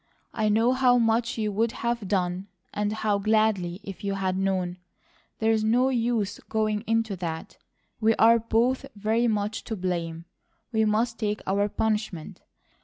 "I know how much you would have done, and how gladly, if you had known. There is no use going into that, we are both very much to blame; we must take our punishment.